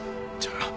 じゃあ。